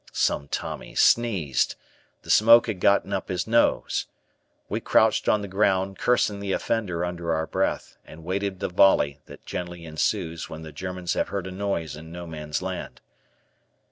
Some Tommy sneezed. The smoke had gotten up his nose. We crouched on the ground, cursing the offender under our breath, and waited the volley that generally ensues when the Germans have heard a noise in No Man's Land.